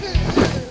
saya yang menang